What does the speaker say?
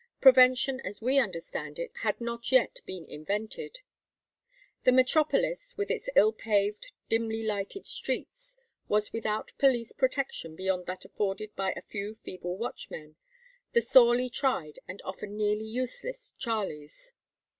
Prevention as we understand it had not yet been invented. The metropolis, with its ill paved, dimly lighted streets, was without police protection beyond that afforded by a few feeble watchmen, the sorely tried and often nearly useless "Charlies."